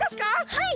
はい！